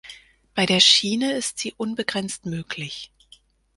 Bei der Schiene ist sie unbegrenzt möglich.